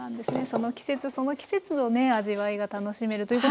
その季節その季節のね味わいが楽しめるということで。